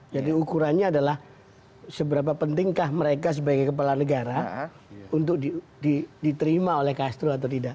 jadi ukurannya adalah seberapa pentingkah mereka sebagai kepala negara untuk diterima oleh castro atau tidak